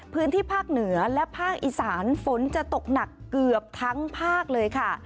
พื้นที่ภาคเหนือและภาคอีสานฝนจะตกหนักเกือบทั้งภาคเลยค่ะ